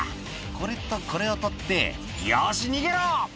「これとこれを取ってよし逃げろ！」